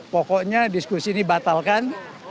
pokoknya diskusi ini batalkan